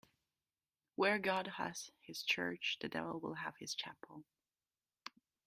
Where God has his church, the devil will have his chapel.